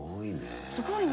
すごいね。